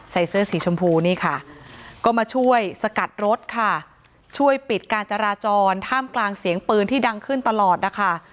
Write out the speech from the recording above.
ใส่เสื้อสีชมพูนี่ค่ะก็มาช่วยสกัดรถค่ะช่วยปิดการจราจรท่ามกลางเสียงปืนที่ดังขึ้นตลอดนะคะ